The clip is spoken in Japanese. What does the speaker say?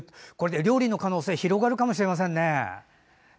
料理の可能性広がるかもしれませんね。